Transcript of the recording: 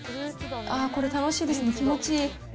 ああ、これ、楽しいですね、気持ちいい。